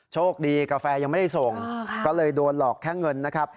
โชคดีกาแฟยังไม่ได้ส่งก็เลยโดนหลอกแค่เงินนะครับ